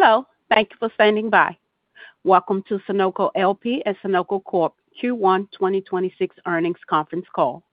Welcome to Sunoco LP and SunocoCorp Q1 2026 earnings conference call.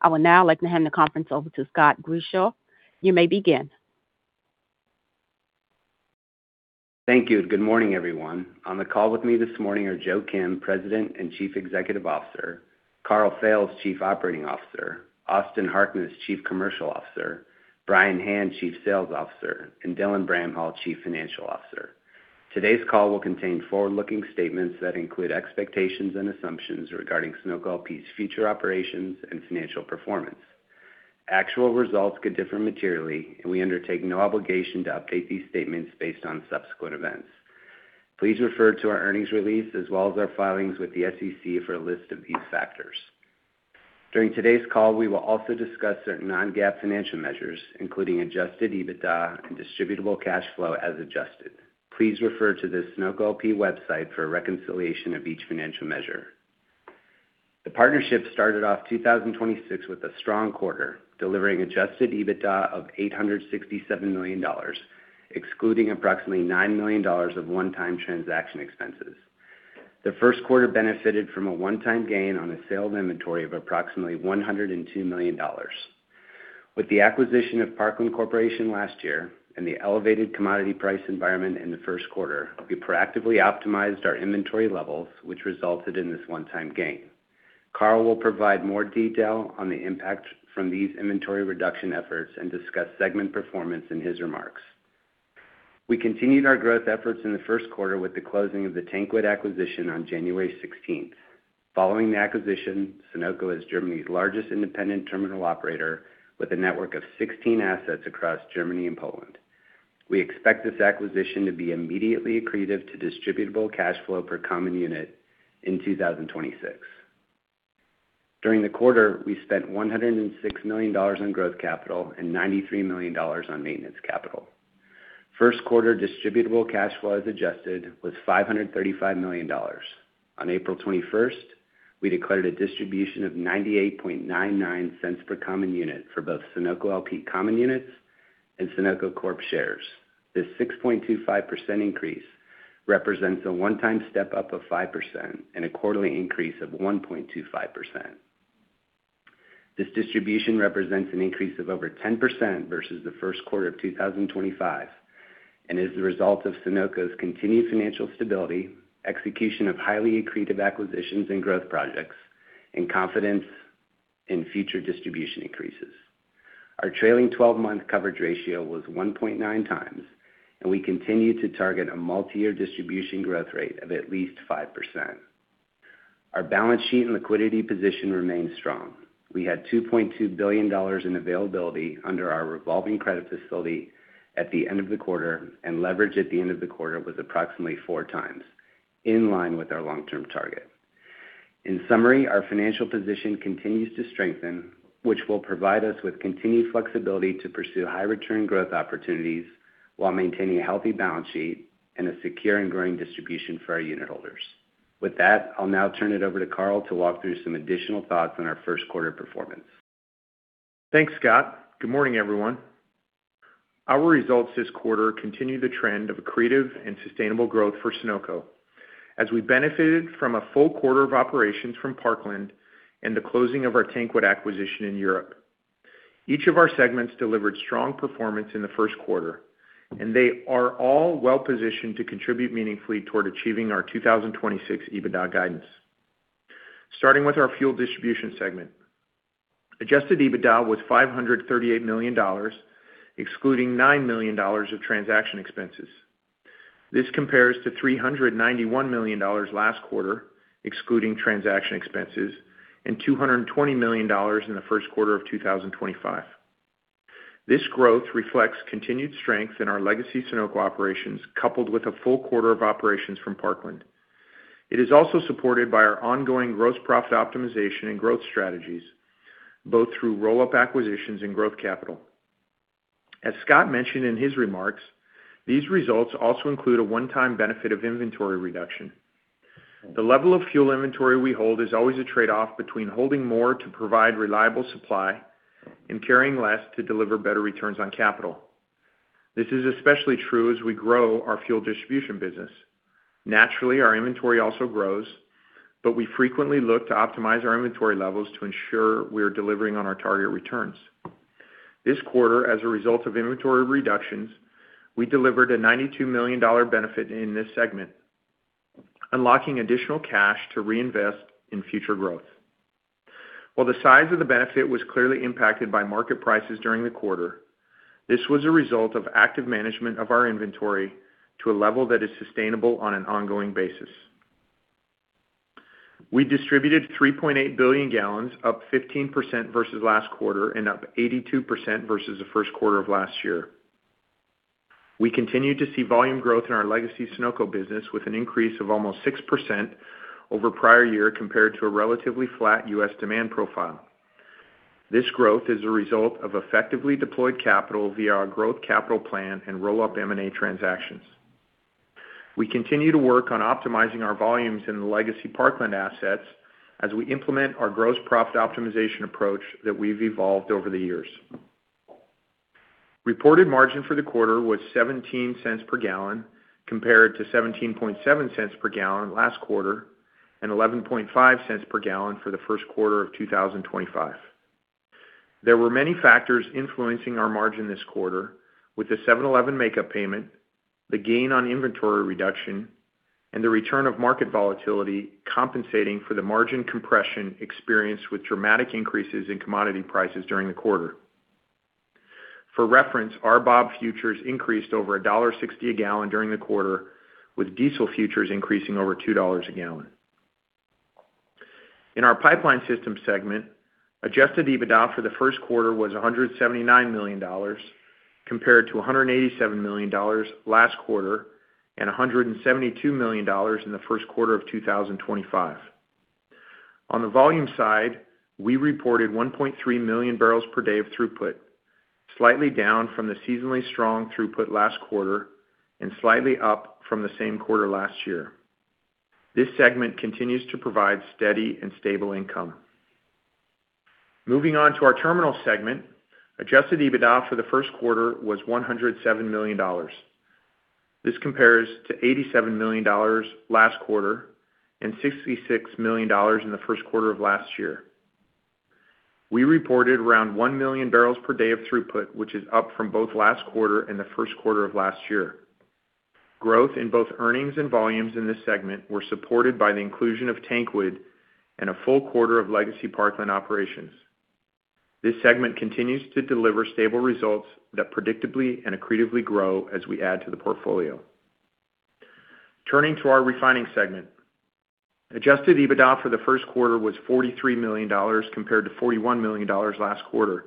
I would now like to hand the conference over to Scott Grischow. You may begin. Thank you, and good morning, everyone. On the call with me this morning are Joe Kim, President and Chief Executive Officer, Karl Fails, Chief Operating Officer, Austin Harkness, Chief Commercial Officer, Brian Hand, Chief Sales Officer, and Dylan Bramhall, Chief Financial Officer. Today's call will contain forward-looking statements that include expectations and assumptions regarding Sunoco LP's future operations and financial performance. Actual results could differ materially, and we undertake no obligation to update these statements based on subsequent events. Please refer to our earnings release as well as our filings with the SEC for a list of these factors. During today's call, we will also discuss certain non-GAAP financial measures, including adjusted EBITDA and distributable cash flow as adjusted. Please refer to the Sunoco LP website for a reconciliation of each financial measure. The partnership started off 2026 with a strong quarter, delivering adjusted EBITDA of $867 million, excluding approximately $90 million of one-time transaction expenses. The first quarter benefited from a one-time gain on the sale of inventory of approximately $102 million. With the acquisition of Parkland Corporation last year and the elevated commodity price environment in the first quarter, we proactively optimized our inventory levels, which resulted in this one-time gain. Karl will provide more detail on the impact from these inventory reduction efforts and discuss segment performance in his remarks. We continued our growth efforts in the first quarter with the closing of the TanQuid acquisition on January 16th. Following the acquisition, Sunoco is Germany's largest independent terminal operator with a network of 16 assets across Germany and Poland. We expect this acquisition to be immediately accretive to distributable cash flow per common unit in 2026. During the quarter, we spent $106 million on growth capital and $93 million on maintenance capital. First quarter distributable cash flow as adjusted was $535 million. On April 21st, we declared a distribution of $0.9899 per common unit for both Sunoco LP common units and SunocoCorp shares. This 6.25% increase represents a one-time step-up of 5% and a quarterly increase of 1.25%. This distribution represents an increase of over 10% versus the first quarter of 2025 and is the result of Sunoco's continued financial stability, execution of highly accretive acquisitions and growth projects, and confidence in future distribution increases. Our trailing 12-month coverage ratio was 1.9x, and we continue to target a multi-year distribution growth rate of at least 5%. Our balance sheet and liquidity position remains strong. We had $2.2 billion in availability under our revolving credit facility at the end of the quarter, and leverage at the end of the quarter was approximately 4x, in line with our long-term target. In summary, our financial position continues to strengthen, which will provide us with continued flexibility to pursue high return growth opportunities while maintaining a healthy balance sheet and a secure and growing distribution for our unitholders. With that, I'll now turn it over to Karl to walk through some additional thoughts on our first quarter performance. Thanks, Scott. Good morning, everyone. Our results this quarter continue the trend of accretive and sustainable growth for Sunoco, as we benefited from a full quarter of operations from Parkland and the closing of our TanQuid acquisition in Europe. Each of our segments delivered strong performance in the first quarter. They are all well-positioned to contribute meaningfully toward achieving our 2026 EBITDA guidance. Starting with our fuel distribution segment. Adjusted EBITDA was $538 million, excluding $9 million of transaction expenses. This compares to $391 million last quarter, excluding transaction expenses, and $220 million in the first quarter of 2025. This growth reflects continued strength in our legacy Sunoco operations, coupled with a full quarter of operations from Parkland. It is also supported by our ongoing gross profit optimization and growth strategies, both through roll-up acquisitions and growth capital. As Scott mentioned in his remarks, these results also include a one-time benefit of inventory reduction. The level of fuel inventory we hold is always a trade-off between holding more to provide reliable supply and carrying less to deliver better returns on capital. This is especially true as we grow our fuel distribution business. Naturally, our inventory also grows, but we frequently look to optimize our inventory levels to ensure we are delivering on our target returns. This quarter, as a result of inventory reductions, we delivered a $92 million benefit in this segment, unlocking additional cash to reinvest in future growth. While the size of the benefit was clearly impacted by market prices during the quarter, this was a result of active management of our inventory to a level that is sustainable on an ongoing basis. We distributed 3.8 billion gallons, up 15% versus last quarter and up 82% versus the first quarter of last year. We continue to see volume growth in our legacy Sunoco business with an increase of almost 6% over prior year compared to a relatively flat U.S. demand profile. This growth is a result of effectively deployed capital via our growth capital plan and roll-up M&A transactions. We continue to work on optimizing our volumes in the legacy Parkland assets as we implement our gross profit optimization approach that we've evolved over the years. Reported margin for the quarter was $0.17 per gallon compared to $17.7 per gallon last quarter, and $11.5 per gallon for the first quarter of 2025. There were many factors influencing our margin this quarter with the 7-Eleven makeup payment, the gain on inventory reduction, and the return of market volatility compensating for the margin compression experienced with dramatic increases in commodity prices during the quarter. For reference, RBOB futures increased over $1.60 a gallon during the quarter, with diesel futures increasing over $2 a gallon. In our Pipeline Systems segment, adjusted EBITDA for the first quarter was $179 million compared to $187 million last quarter, and $172 million in the first quarter of 2025. On the volume side, we reported 1.3 million barrels per day of throughput, slightly down from the seasonally strong throughput last quarter and slightly up from the same quarter last year. This segment continues to provide steady and stable income. Moving on to our Terminal segment, Adjusted EBITDA for the first quarter was $107 million. This compares to $87 million last quarter and $66 million in the first quarter of last year. We reported around 1 million barrels per day of throughput, which is up from both last quarter and the first quarter of last year. Growth in both earnings and volumes in this segment were supported by the inclusion of TanQuid and a full quarter of legacy Parkland operations. This segment continues to deliver stable results that predictably and accretively grow as we add to the portfolio. Turning to our refining segment. Adjusted EBITDA for the first quarter was $43 million compared to $41 million last quarter.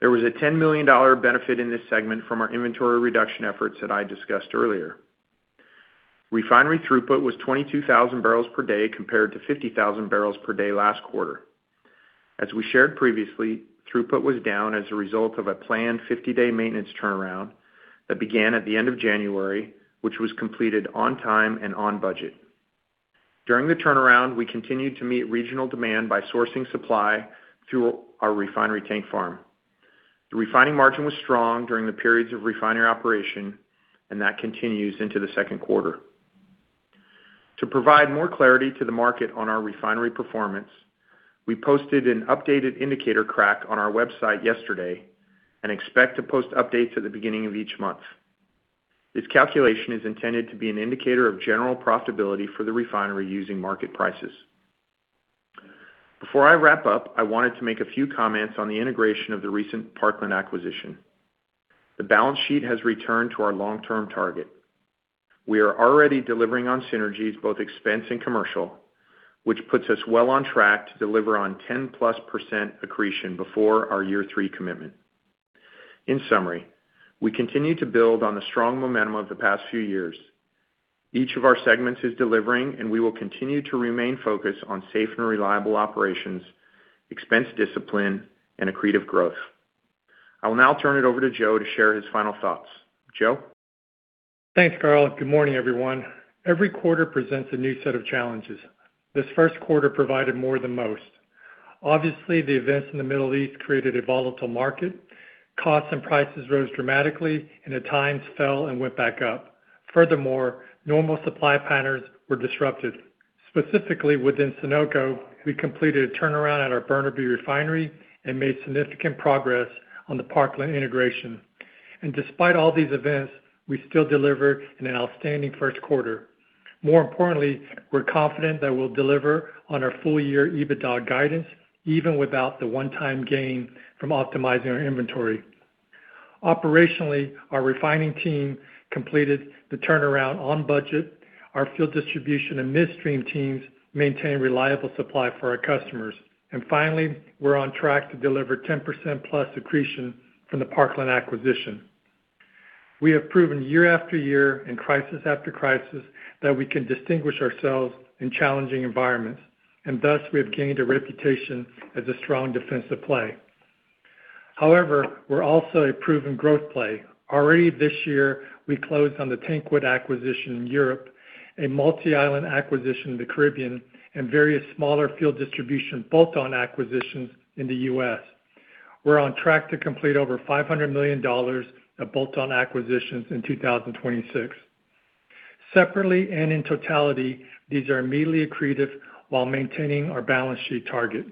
There was a $10 million benefit in this segment from our inventory reduction efforts that I discussed earlier. Refinery throughput was 22,000 barrels per day compared to 50,000 barrels per day last quarter. As we shared previously, throughput was down as a result of a planned 50-day maintenance turnaround that began at the end of January, which was completed on time and on budget. During the turnaround, we continued to meet regional demand by sourcing supply through our refinery tank farm. The refining margin was strong during the periods of refinery operation, and that continues into the second quarter. To provide more clarity to the market on our refinery performance, we posted an updated indicator crack on our website yesterday and expect to post updates at the beginning of each month. This calculation is intended to be an indicator of general profitability for the refinery using market prices. Before I wrap up, I wanted to make a few comments on the integration of the recent Parkland acquisition. The balance sheet has returned to our long-term target. We are already delivering on synergies, both expense and commercial, which puts us well on track to deliver on 10+% accretion before our year three commitment. In summary, we continue to build on the strong momentum of the past few years. Each of our segments is delivering, and we will continue to remain focused on safe and reliable operations, expense discipline, and accretive growth. I will now turn it over to Joe to share his final thoughts. Joe? Thanks, Karl. Good morning, everyone. Every quarter presents a new set of challenges. This first quarter provided more than most. Obviously, the events in the Middle East created a volatile market. Costs and prices rose dramatically, and at times fell and went back up. Furthermore, normal supply patterns were disrupted. Specifically, within Sunoco, we completed a turnaround at our Burnaby Refinery and made significant progress on the Parkland integration. Despite all these events, we still delivered an outstanding first quarter. More importantly, we're confident that we'll deliver on our full-year EBITDA guidance, even without the one-time gain from optimizing our inventory. Operationally, our refining team completed the turnaround on budget. Our fuel distribution and midstream teams maintained reliable supply for our customers. Finally, we're on track to deliver 10%+ accretion from the Parkland acquisition. We have proven year-after-year in crisis after crisis that we can distinguish ourselves in challenging environments, and thus we have gained a reputation as a strong defensive play. However, we're also a proven growth play. Already this year, we closed on the TanQuid acquisition in Europe, a multi-island acquisition in the Caribbean, and various smaller fuel distribution bolt-on acquisitions in the U.S. We're on track to complete over $500 million of bolt-on acquisitions in 2026. Separately and in totality, these are immediately accretive while maintaining our balance sheet target.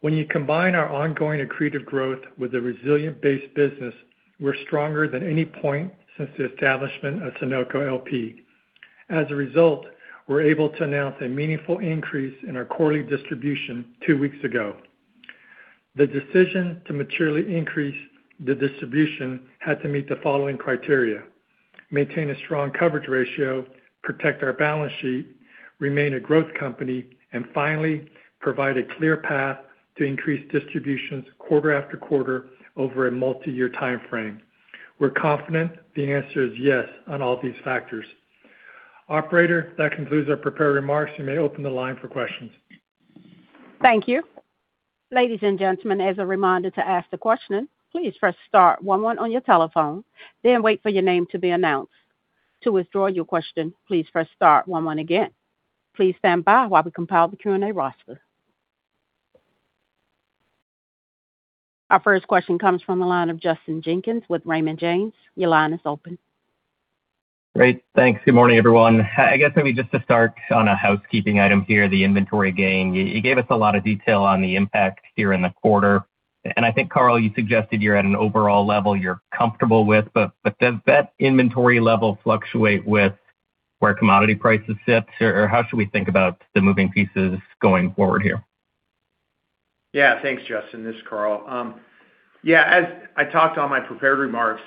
When you combine our ongoing accretive growth with the resilient base business, we're stronger than any point since the establishment of Sunoco LP. As a result, we're able to announce a meaningful increase in our quarterly distribution two weeks ago. The decision to materially increase the distribution had to meet the following criteria. Maintain a strong coverage ratio, protect our balance sheet, remain a growth company, and finally, provide a clear path to increase distributions quarter after quarter over a multiyear timeframe. We're confident the answer is yes on all these factors. Operator, that concludes our prepared remarks. You may open the line for questions. Thank you. Ladies and gentlemen, as a reminder to ask the question, please press star one one on your telephone, then wait for your name to be announced. To withdraw your question, please press star one one again. Please stand by while we compile the Q&A roster. Our first question comes from the line of Justin Jenkins with Raymond James. Your line is open. Great. Thanks. Good morning, everyone. I guess maybe just to start on a housekeeping item here, the inventory gain. You gave us a lot of detail on the impact here in the quarter. I think, Karl, you suggested you're at an overall level you're comfortable with. Does that inventory level fluctuate with where commodity prices sit? Or how should we think about the moving pieces going forward here? Yeah. Thanks, Justin. This is Karl. Yeah, as I talked on my prepared remarks,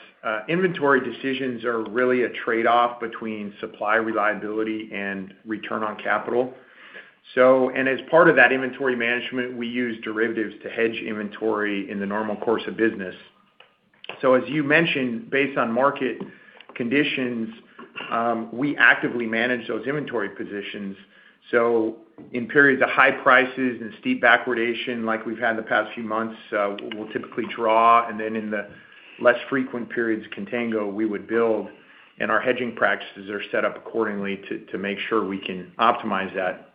inventory decisions are really a trade-off between supply reliability and return on capital. As part of that inventory management, we use derivatives to hedge inventory in the normal course of business. As you mentioned, based on market conditions, we actively manage those inventory positions. In periods of high prices and steep backwardation like we've had in the past few months, we'll typically draw, and then in the less frequent periods of contango, we would build, and our hedging practices are set up accordingly to make sure we can optimize that.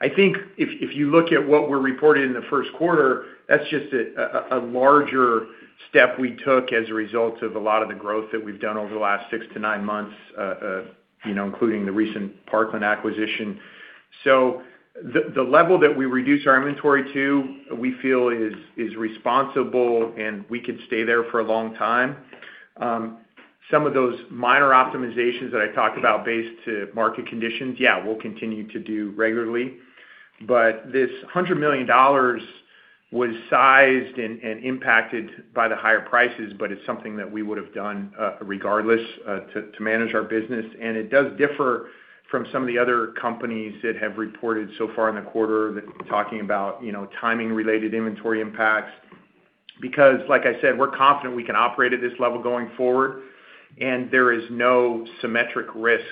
I think if you look at what we're reporting in the first quarter, that's just a larger step we took as a result of a lot of the growth that we've done over the last six to nine months, you know, including the recent Parkland acquisition. The level that we reduce our inventory to, we feel is responsible, and we could stay there for a long time. Some of those minor optimizations that I talked about based on market conditions, yeah, we'll continue to do regularly. This $100 million was sized and impacted by the higher prices, but it's something that we would have done regardless to manage our business. It does differ from some of the other companies that have reported so far in the quarter that talking about, you know, timing related inventory impacts. Like I said, we're confident we can operate at this level going forward, and there is no symmetric risk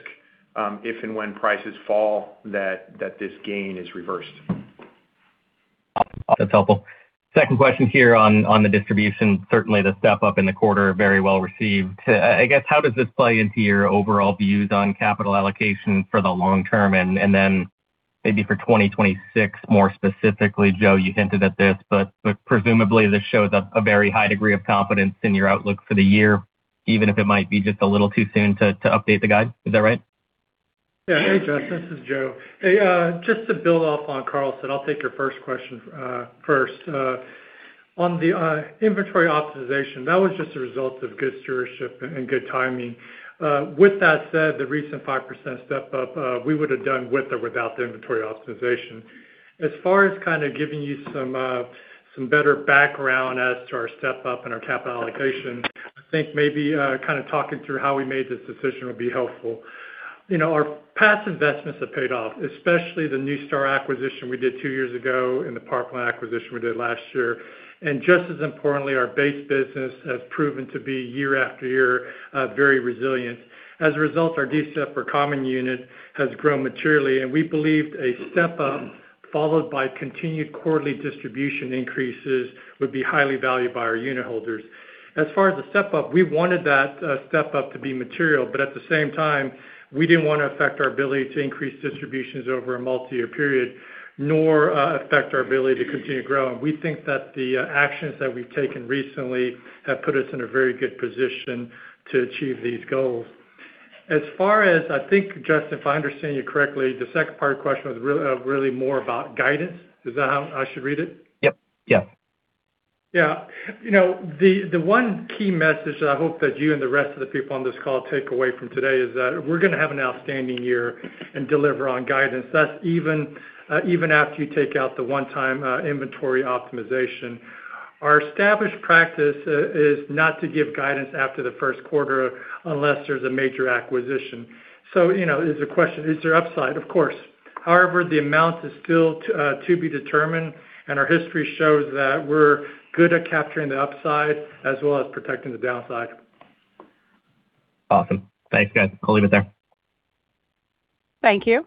if and when prices fall that this gain is reversed. That's helpful. Second question here on the distribution. Certainly the step up in the quarter, very well-received. I guess how does this play into your overall views on capital allocation for the long term? Then maybe for 2026, more specifically. Joe, you hinted at this, but presumably this shows a very high degree of confidence in your outlook for the year, even if it might be just a little too soon to update the guide. Is that right? Yeah. Hey, Justin, this is Joe. Hey, just to build off on what Karl said, I'll take your 1st question first. On the inventory optimization, that was just a result of good stewardship and good timing. With that said, the recent 5% step up, we would have done with or without the inventory optimization. As far as kind of giving you some better background as to our step up and our capital allocation, I think maybe kind of talking through how we made this decision would be helpful. You know, our past investments have paid off, especially the NuStar acquisition we did two years ago and the Parkland acquisition we did last year. Just as importantly, our base business has proven to be year after year, very resilient. As a result, our DCF per common unit has grown materially, and we believed a step up followed by continued quarterly distribution increases would be highly valued by our unit holders. As far as the step up, we wanted that step up to be material, but at the same time, we didn't want to affect our ability to increase distributions over a multi-year period, nor affect our ability to continue growing. We think that the actions that we've taken recently have put us in a very good position to achieve these goals. I think, Justin, if I understand you correctly, the second part of the question was really more about guidance. Is that how I should read it? Yep. Yeah. You know, the one key message that I hope that you and the rest of the people on this call take away from today is that we're gonna have an outstanding year and deliver on guidance. That's even after you take out the one-time inventory optimization. Our established practice is not to give guidance after the first quarter unless there's a major acquisition. You know, is there upside? Of course. However, the amount is still to be determined, and our history shows that we're good at capturing the upside as well as protecting the downside. Awesome. Thanks, guys. I'll leave it there. Thank you.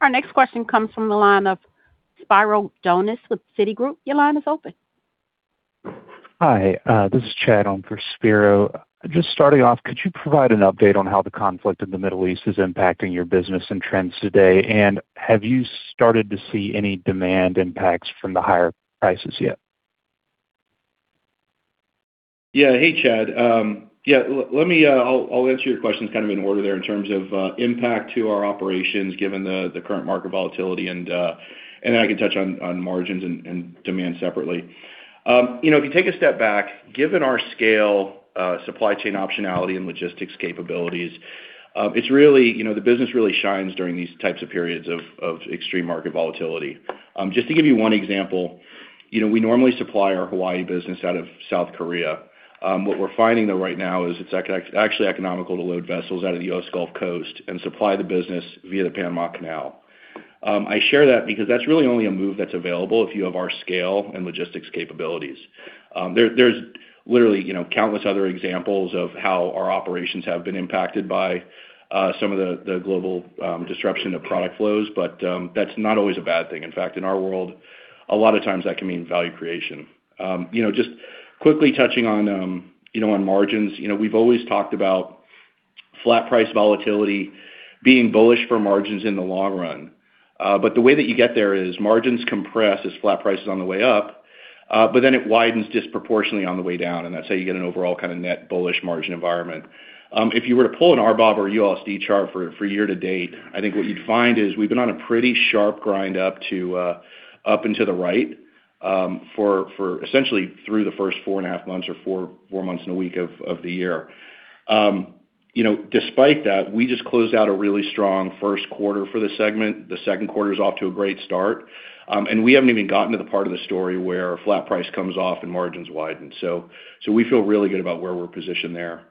Our next question comes from the line of Spiro Dounis with Citigroup. Your line is open. Hi. This is Chad on for Spiro. Just starting off, could you provide an update on how the conflict in the Middle East is impacting your business and trends today? Have you started to see any demand impacts from the higher prices yet? Yeah. Hey, Chad. I'll answer your questions kind of in order there in terms of impact to our operations given the current market volatility and I can touch on margins and demand separately. You know, if you take a step back, given our scale, supply chain optionality and logistics capabilities. You know, the business really shines during these types of periods of extreme market volatility. Just to give you one example, you know, we normally supply our Hawaii business out of South Korea. What we're finding though right now is it's actually economical to load vessels out of the U.S. Gulf Coast and supply the business via the Panama Canal. I share that because that's really only a move that's available if you have our scale and logistics capabilities. There, there's literally, you know, countless other examples of how our operations have been impacted by some of the global disruption of product flows, that's not always a bad thing. In fact, in our world, a lot of times that can mean value creation. You know, just quickly touching on, you know, on margins. You know, we've always talked about flat price volatility being bullish for margins in the long run. The way that you get there is margins compress as flat price is on the way up, but then it widens disproportionately on the way down, and that's how you get an overall kind of net bullish margin environment. If you were to pull an RBOB or ULSD chart for year-to-date, I think what you'd find is we've been on a pretty sharp grind up to up and to the right for essentially through the first four and a half months or four months and a week of the year. You know, despite that, we just closed out a really strong first quarter for the segment. The second quarter is off to a great start. We haven't even gotten to the part of the story where flat price comes off and margins widen. We feel really good about where we're positioned there.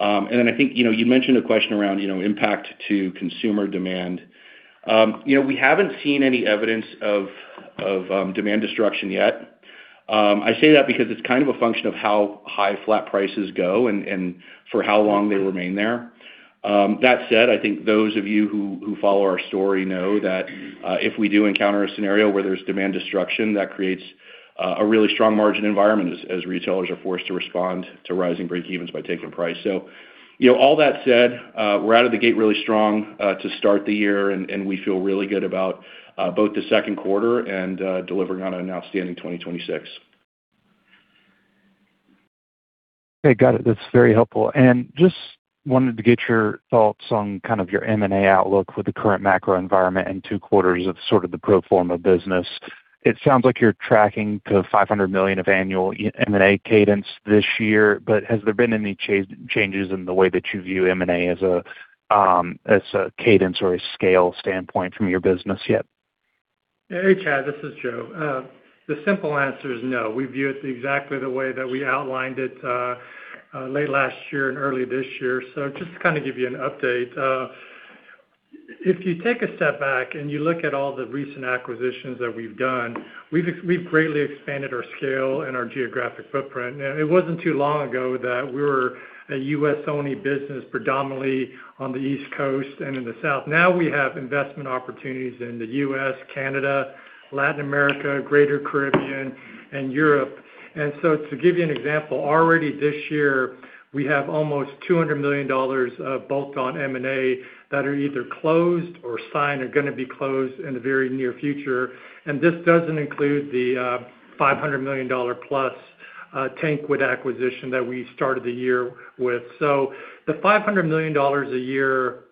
Then I think, you know, you mentioned a question around, you know, impact to consumer demand. You know, we haven't seen any evidence of demand destruction yet. I say that because it's kind of a function of how high flat prices go and for how long they remain there. That said, I think those of you who follow our story know that if we do encounter a scenario where there's demand destruction, that creates a really strong margin environment as retailers are forced to respond to rising breakevens by taking price. You know, all that said, we're out of the gate really strong to start the year, and we feel really good about both the second quarter and delivering on an outstanding 2026. Okay, got it. That's very helpful. Just wanted to get your thoughts on kind of your M&A outlook with the current macro environment and two quarters of sort of the pro forma business. It sounds like you're tracking to $500 million of annual M&A cadence this year, has there been any changes in the way that you view M&A as a cadence or a scale standpoint from your business yet? Hey, Chad, this is Joe. The simple answer is no. We view it exactly the way that we outlined it late last year and early this year. Just to kind of give you an update, if you take a step back and you look at all the recent acquisitions that we've done, we've greatly expanded our scale and our geographic footprint. It wasn't too long ago that we were a U.S.-only business, predominantly on the East Coast and in the South. Now we have investment opportunities in the U.S., Canada, Latin America, Greater Caribbean, and Europe. To give you an example, already this year, we have almost $200 million of bolt-on M&A that are either closed or signed or gonna be closed in the very near future. This doesn't include the $500+ million TanQuid acquisition that we started the year with. The $500+ million a year,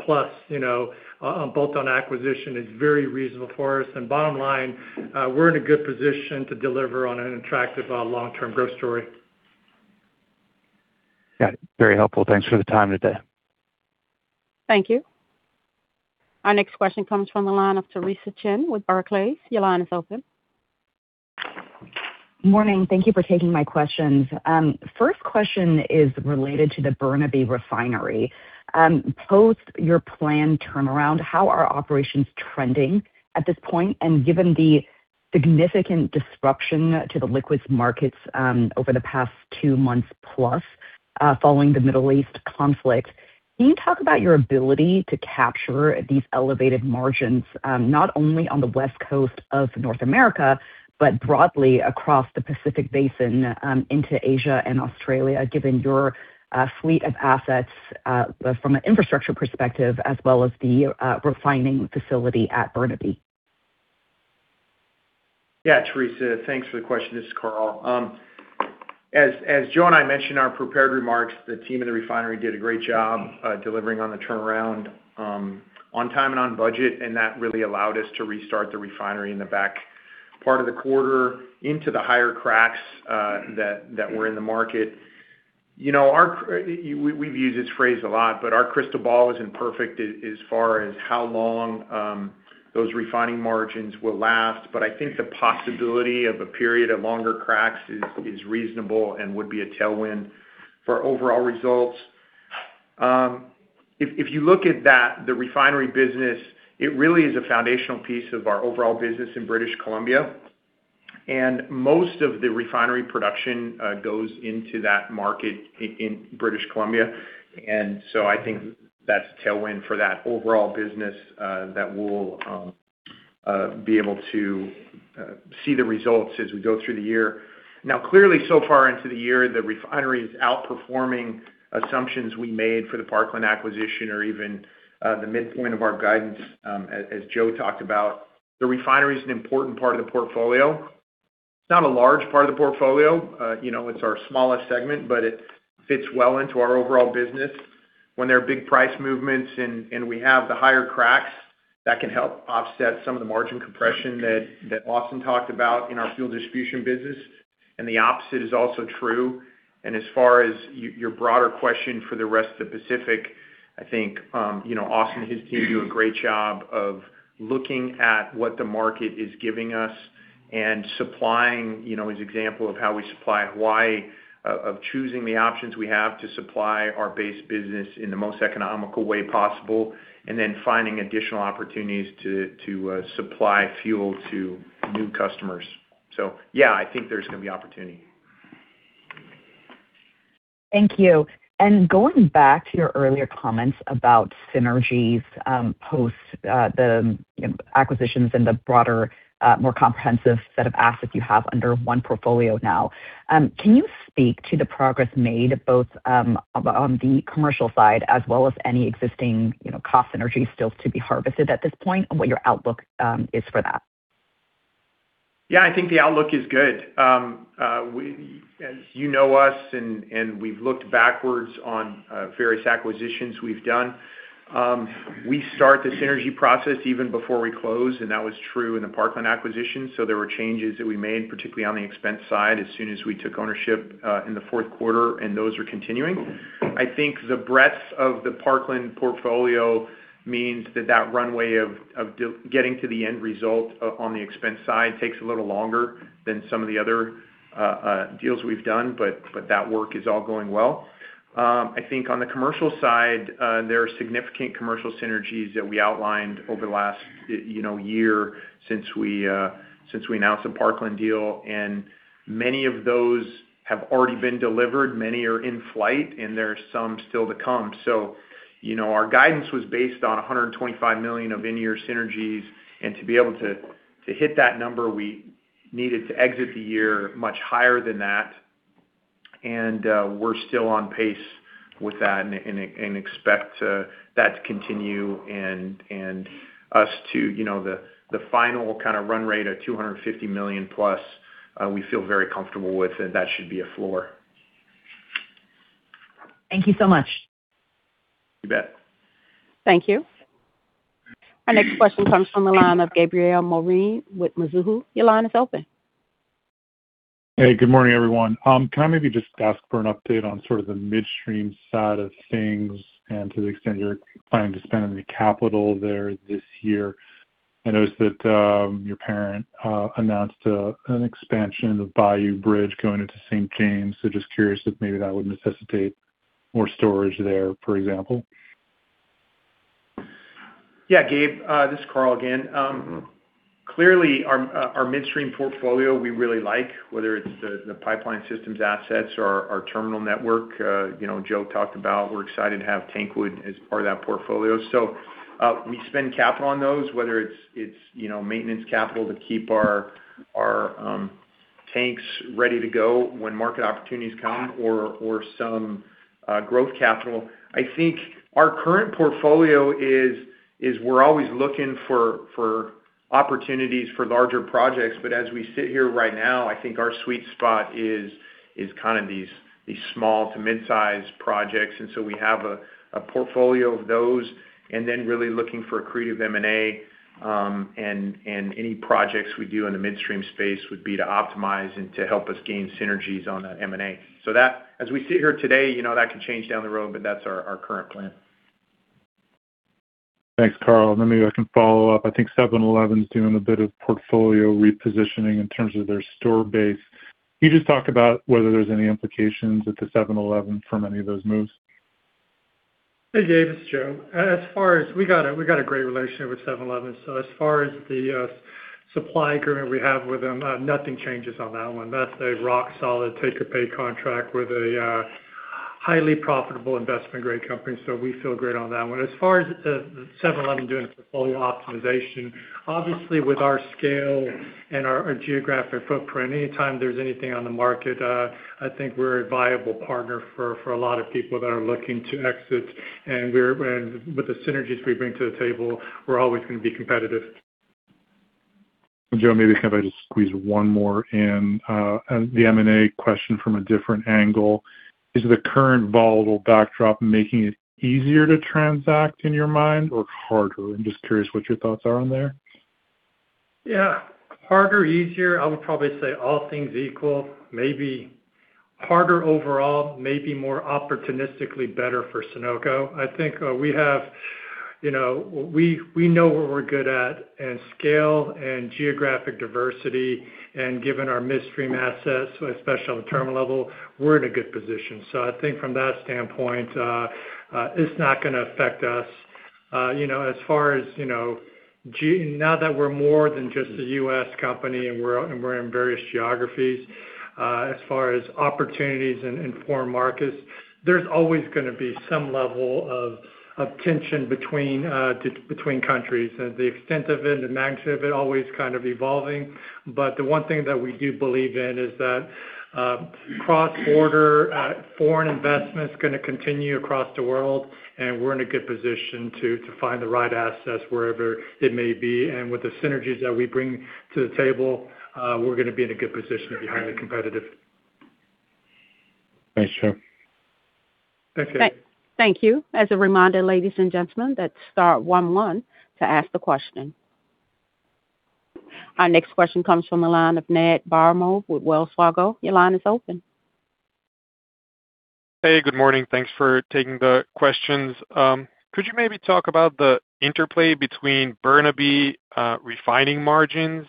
you know, on bolt-on acquisition is very reasonable for us. Bottom line, we're in a good position to deliver on an attractive, long-term growth story. Got it. Very helpful. Thanks for the time today. Thank you. Our next question comes from the line of Theresa Chen with Barclays. Your line is open. Morning. Thank you for taking my questions. First question is related to the Burnaby Refinery. Post your plan turnaround, how are operations trending at this point? Given the significant disruption to the liquids markets over the past two months plus following the Middle East conflict, can you talk about your ability to capture these elevated margins not only on the West Coast of North America, but broadly across the Pacific Basin into Asia and Australia, given your fleet of assets from an infrastructure perspective as well as the refining facility at Burnaby? Yeah, Theresa, thanks for the question. This is Karl. As Joe Kim and I mentioned in our prepared remarks, the team in the refinery did a great job delivering on the turnaround on time and on budget, and that really allowed us to restart the refinery in the back part of the quarter into the higher cracks that were in the market. You know, we've used this phrase a lot, but our crystal ball isn't perfect as far as how long those refining margins will last. I think the possibility of a period of longer cracks is reasonable and would be a tailwind for overall results. If you look at the refinery business, it really is a foundational piece of our overall business in British Columbia. Most of the refinery production goes into that market in British Columbia. I think that's a tailwind for that overall business that we'll be able to see the results as we go through the year. Now, clearly, so far into the year, the refinery is outperforming assumptions we made for the Parkland acquisition or even the midpoint of our guidance as Joe talked about. The refinery is an important part of the portfolio. It's not a large part of the portfolio. You know, it's our smallest segment, but it fits well into our overall business. When there are big price movements and we have the higher cracks-That can help offset some of the margin compression that Austin talked about in our fuel distribution business, and the opposite is also true. As far as your broader question for the rest of the Pacific, I think, you know, Austin and his team do a great job of looking at what the market is giving us and supplying, you know, as an example of how we supply Hawaii, of choosing the options we have to supply our base business in the most economical way possible, and then finding additional opportunities to supply fuel to new customers. Yeah, I think there's gonna be opportunity. Thank you. Going back to your earlier comments about synergies, post, the, you know, acquisitions and the broader, more comprehensive set of assets you have under one portfolio now, can you speak to the progress made both, on the commercial side as well as any existing, you know, cost synergies still to be harvested at this point and what your outlook, is for that? Yeah, I think the outlook is good. As you know us and we've looked backwards on various acquisitions we've done, we start the synergy process even before we close, and that was true in the Parkland acquisition. There were changes that we made, particularly on the expense side, as soon as we took ownership in the fourth quarter, and those are continuing. I think the breadth of the Parkland portfolio means that that runway of getting to the end result on the expense side takes a little longer than some of the other deals we've done, but that work is all going well. I think on the commercial side, there are significant commercial synergies that we outlined over the last, you know, year since we, since we announced the Parkland deal, and many of those have already been delivered, many are in flight, and there are some still to come. You know, our guidance was based on $125 million of in-year synergies. To be able to hit that number, we needed to exit the year much higher than that. We're still on pace with that and expect that to continue and us to, you know, the final kind of run rate of $250+ million, we feel very comfortable with, and that should be a floor. Thank you so much. You bet. Thank you. Our next question comes from the line of Gabriel Moreen with Mizuho. Your line is open. Hey, good morning, everyone. Can I maybe just ask for an update on sort of the midstream side of things and to the extent you're planning to spend any capital there this year? I noticed that your parent announced an expansion of Bayou Bridge going into St. James. Just curious if maybe that would necessitate more storage there, for example. Yeah, Gabe, this is Karl again. Clearly our midstream portfolio, we really like, whether it's the Pipeline Systems assets or our terminal network. You know, Joe talked about we're excited to have TanQuid as part of that portfolio. We spend capital on those, whether it's, you know, maintenance capital to keep our tanks ready to go when market opportunities come or some growth capital. I think our current portfolio is we're always looking for opportunities for larger projects. As we sit here right now, I think our sweet spot is kind of these small to mid-size projects. We have a portfolio of those and then really looking for accretive M&A, and any projects we do in the midstream space would be to optimize and to help us gain synergies on that M&A. As we sit here today, you know, that could change down the road, but that's our current plan. Thanks, Karl. I can follow up. I think 7-Eleven is doing a bit of portfolio repositioning in terms of their store base. Can you just talk about whether there's any implications with the 7-Eleven from any of those moves? Hey, Gabe, it's Joe. As far as we got a great relationship with 7-Eleven. As far as the supply agreement we have with them, nothing changes on that one. That's a rock solid take or pay contract with a highly profitable investment-grade company. We feel great on that one. As far as the 7-Eleven doing a portfolio optimization, obviously with our scale and our geographic footprint, anytime there's anything on the market, I think we're a viable partner for a lot of people that are looking to exit. And with the synergies we bring to the table, we're always gonna be competitive. Joe, maybe can I just squeeze one more in, the M&A question from a different angle. Is the current volatile backdrop making it easier to transact in your mind or harder? I'm just curious what your thoughts are on there. Yeah. Harder, easier, I would probably say all things equal, maybe harder overall, maybe more opportunistically better for Sunoco. I think, we have, you know, we know what we're good at and scale and geographic diversity and given our midstream assets, especially on the terminal level, we're in a good position. I think from that standpoint, it's not gonna affect us. You know, as far as, you know, now that we're more than just a U.S. company and we're, and we're in various geographies, as far as opportunities in foreign markets, there's always gonna be some level of tension between countries. The extent of it, the magnitude of it, always kind of evolving. The one thing that we do believe in is that cross-border foreign investment is gonna continue across the world, and we're in a good position to find the right assets wherever it may be. With the synergies that we bring to the table, we're gonna be in a good position to be highly competitive. Thanks, Joe. Okay. Thank you. As a reminder, ladies and gentlemen, that's star one one to ask the question. Our next question comes from the line of Ned Baramov with Wells Fargo. Hey, good morning. Thanks for taking the questions. Could you maybe talk about the interplay between Burnaby refining margins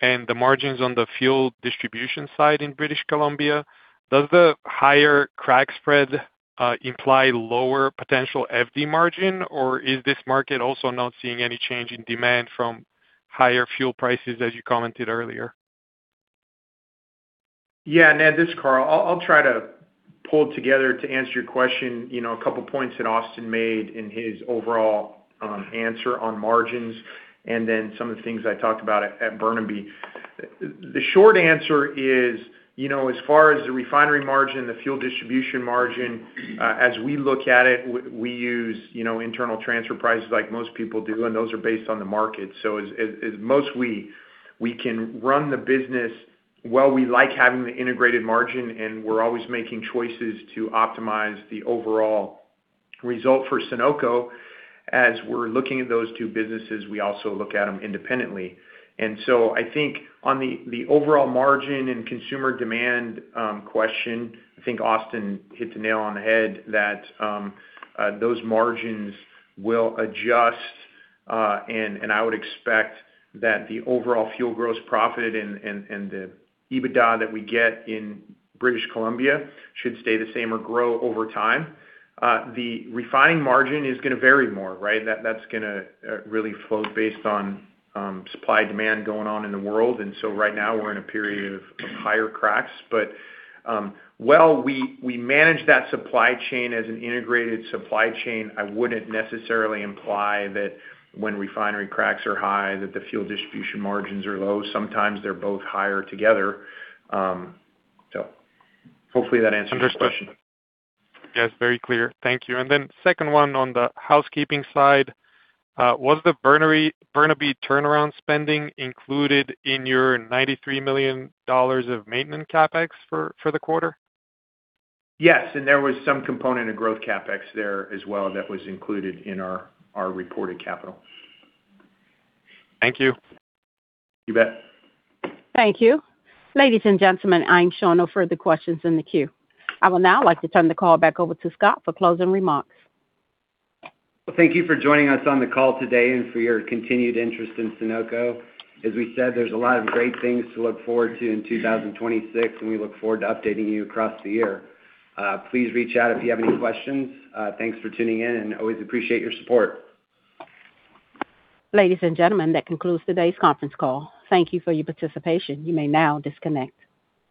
and the margins on the fuel distribution side in British Columbia? Does the higher crack spread imply lower potential FD margin? Is this market also not seeing any change in demand from higher fuel prices as you commented earlier? Yeah, Ned, this is Karl. I'll try to pull it together to answer your question, you know, a couple of points that Austin made in his overall answer on margins and then some of the things I talked about at Burnaby. The short answer is, you know, as far as the refinery margin, the fuel distribution margin, as we look at it, we use, you know, internal transfer prices like most people do, and those are based on the market. As most we can run the business while we like having the integrated margin, and we're always making choices to optimize the overall result for Sunoco. As we're looking at those two businesses, we also look at them independently. I think on the overall margin and consumer demand question, I think Austin hit the nail on the head that those margins will adjust. I would expect that the overall fuel gross profit and the EBITDA that we get in British Columbia should stay the same or grow over time. The refining margin is gonna vary more, right? That's gonna really float based on supply demand going on in the world. Right now we're in a period of higher cracks. While we manage that supply chain as an integrated supply chain, I wouldn't necessarily imply that when refinery cracks are high, that the fuel distribution margins are low. Sometimes they're both higher together. Hopefully that answers your question. Understood. Yes, very clear. Thank you. Second one on the housekeeping side, was the Burnaby turnaround spending included in your $93 million of maintenance CapEx for the quarter? Yes, there was some component of growth CapEx there as well that was included in our reported capital. Thank you. You bet. Thank you. Ladies and gentlemen, I'm showing no further questions in the queue. I will now like to turn the call back over to Scott for closing remarks. Well, thank you for joining us on the call today and for your continued interest in Sunoco. As we said, there's a lot of great things to look forward to in 2026. We look forward to updating you across the year. Please reach out if you have any questions. Thanks for tuning in and always appreciate your support. Ladies and gentlemen, that concludes today's conference call. Thank you for your participation. You may now disconnect.